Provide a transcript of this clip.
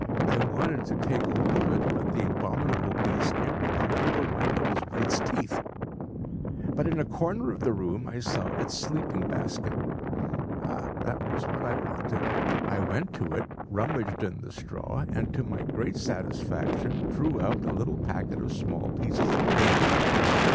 I wanted to take hold of it, but the abominable beast nearly caught hold of my nose with its teeth. But in a corner of the room I saw its sleeping basket. Ah! that was what I wanted. I went to it, rummaged in the straw, and to my great satisfaction drew out a little packet of small pieces of paper.